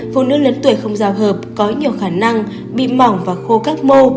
phụ nữ lớn tuổi không giao hợp có nhiều khả năng bị mỏng và khô các mô